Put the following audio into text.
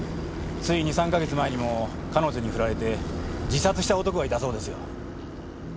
つい２３か月前にも彼女にふられて自殺した男がいたそうですよ。